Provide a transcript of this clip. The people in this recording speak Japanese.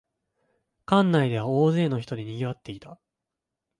館内では大勢の人でにぎわっていた